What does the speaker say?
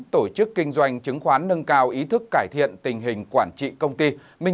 tổ chức kinh doanh chứng khoán nâng cao ý thức cải thiện tình hình quản trị công ty